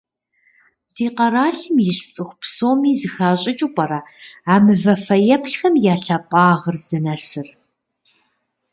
Ди къэралым ис цIыху псоми зэхащIыкIыу пIэрэ а мывэ фэеплъхэм я лъапIагъыр здынэсыр?